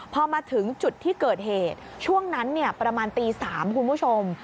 พอมาถึงจุดที่เกิดเหตุช่วงนั้นประมาณตี๓คุณผู้ชม